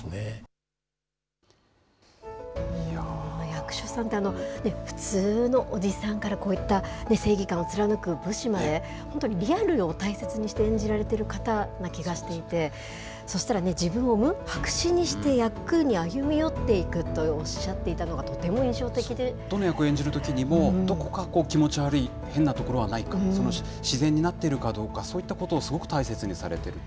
役所さんって、普通のおじさんから、こういった正義感を貫く武士まで、本当にリアルを大切にして演じられている方という気がしていて、そしたらね、自分を白紙にして役に歩み寄っていくっておっしゃっていたのがとどの役を演じるときにも、どこか気持ち悪い、変なところはないか、自然になっているかどうか、そういったことをすごく大切にされてる。